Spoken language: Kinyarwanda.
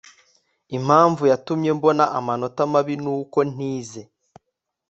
impamvu yatumye mbona amanota mabi nuko ntize